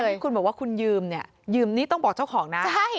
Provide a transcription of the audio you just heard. ที่คุณบอกว่าคุณยืมเนี่ยยืมนี่ต้องบอกเจ้าของนะ